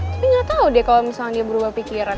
tapi gak tau deh kalo misalnya dia berubah perintah